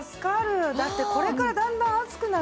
だってこれからだんだん暑くなるでしょ？